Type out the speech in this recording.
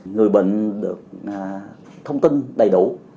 người bệnh được thông tin đầy đủ